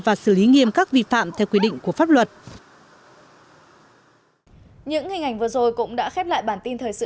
và xử lý nghiêm các vi phạm theo quy định của pháp luật